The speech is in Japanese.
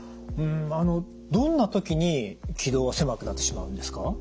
あのどんな時に気道は狭くなってしまうんですか？